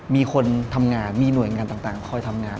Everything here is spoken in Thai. มีคนทำงานมีหน่วยงานต่างคอยทำงาน